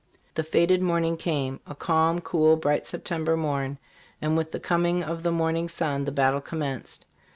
"The fated morning came a calm, cool, bright September morn, and with the coming of the morning sun the battle commenced.